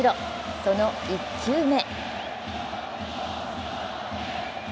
その１球目。